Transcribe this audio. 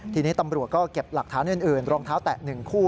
ทีนี้ตำรวจก็เก็บหลักฐานอื่นรองเท้าแตะ๑คู่